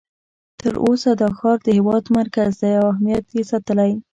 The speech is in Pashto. تر اوسه دا ښار د هېواد مرکز دی او اهمیت یې ساتلی.